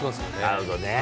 なるほどね。